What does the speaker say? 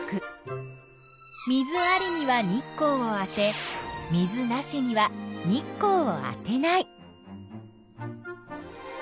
水ありには日光を当て水なしには日光を当てない。